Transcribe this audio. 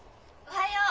おはよう。